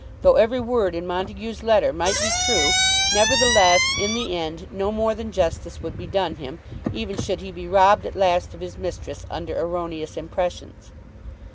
Though every word in Montague's letter might be true, nevertheless, in the end, no more than justice would be done him, even should he be robbed at last of his mistress under erroneous impressions.